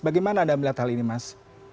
bagaimana anda melihat hal ini mas